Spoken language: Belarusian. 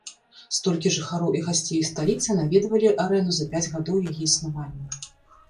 Столькі жыхароў і гасцей сталіцы наведвалі арэну за пяць гадоў яе існавання.